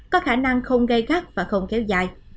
có khả năng không gây gắt và không kéo dài